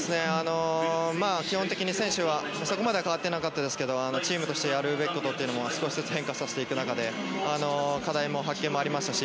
基本的に選手はそこまで変わっていなかったですけどチームとしてやるべきことを少しずつ変化させていく中で課題も発見もありましたし。